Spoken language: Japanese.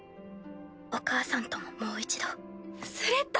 お母さんとももう一度。スレッタ！